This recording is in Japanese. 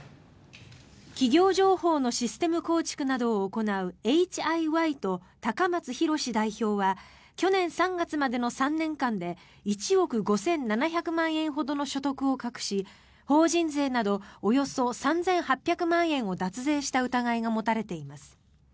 企業情報のシステム構築などを行うエイチ・アイ・ワイと高松洋代表は去年３月までの３年間で１億５７００万円ほどの所得を隠し法人税などおよそ３８００万円を脱税した疑いが持たれています。